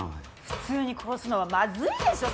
普通に殺すのはまずいでしょ。